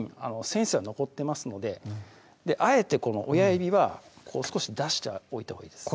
繊維質が残ってますのであえてこの親指は少し出しておいたほうがいいです